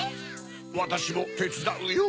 わたしもてつだうよ。